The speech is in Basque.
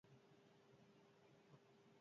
Batzuetan, pieza kopuru mugatu bat ken daiteke.